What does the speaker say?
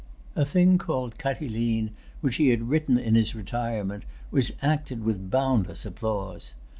A thing called Catiline, which he had written in his retirement,[Pg 285] was acted with boundless applause.